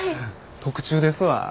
特注ですわ。